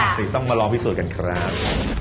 อ่ะสิต้องมารอวิสูจน์กันครับ